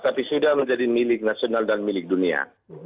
tapi sudah menjadi milik nasional dan milik dunia